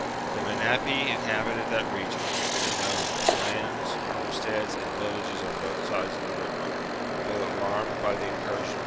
The Menapii inhabited that region, and owned lands, homesteads, and villages on both banks of the river ; but alarmed by the incursion of.